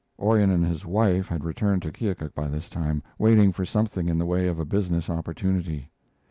Orion and his wife had returned to Keokuk by this time, waiting for something in the way of a business opportunity.